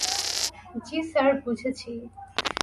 জ্বি, স্যার, বুঝেছি।